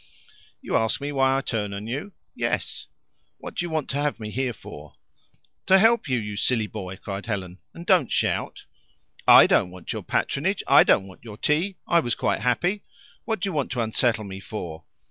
"You ask me why I turn on you?" "Yes." "What do you want to have me here for?" "To help you, you silly boy!" cried Helen. "And don't shout." "I don't want your patronage. I don't want your tea. I was quite happy. What do you want to unsettle me for?"